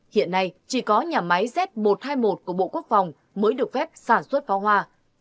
hiện nay chỉ có nhà máy z một trăm hai mươi một của bộ quốc phòng mới được phép sản xuất pháo hoa